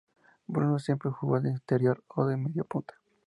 Bruno siempre jugó de interior o de mediapunta.